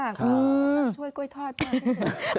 ขอช่วยกล้วยทอดก่อน